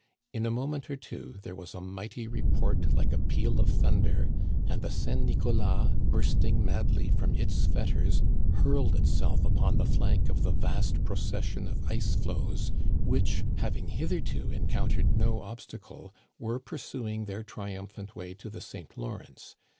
In a moment or two there was a mighty report like a peal of thunder ; and the St. Nicholas, bursting madly from its fetters, hurled itself upon the flank of the vast proces sion of ice floes which, having hitherto encountered no obstacle, were pursuing their triumphant way to the St. Lawrence.